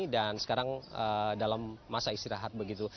dan sekarang dalam masa istirahat begitu